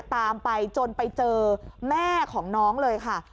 ตามไปจนไปเจอแม่ของน้องเลยค่ะ